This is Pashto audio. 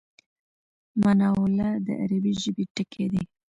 مناوله د عربي ژبی ټکی دﺉ.